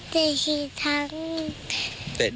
เตะกี่ครั้ง